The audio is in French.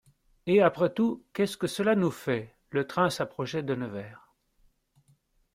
Et après tout, qu'est-ce que cela nous fait ? Le train s'approchait de Nevers.